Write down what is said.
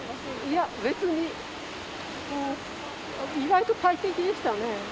いや別に意外と快適でしたね。